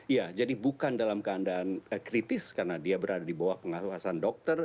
ya jadi bukan dalam keadaan kritis karena dia berada di bawah pengawasan dokter